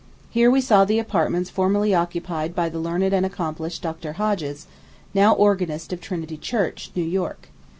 Here we saw the apartments formerly occupied by the learned and accomplished Dr. Hodges, now organist of Trinity Church, New York.